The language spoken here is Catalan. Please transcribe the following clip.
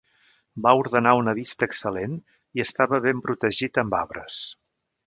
Va ordenar una vista excel·lent i estava ben protegit amb arbres.